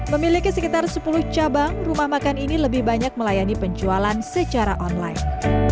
memiliki sekitar sepuluh cabang rumah makan ini lebih banyak melayani penjualan secara online